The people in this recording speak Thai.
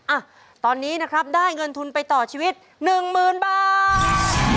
อ่ะตอนนี้นะครับได้เงินทุนไปต่อชีวิตหนึ่งหมื่นบาท